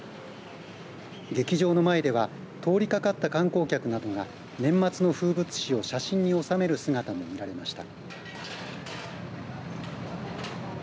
劇場の前では通りかかった観光客などが年末の風物詩を写真に収める姿も見られました。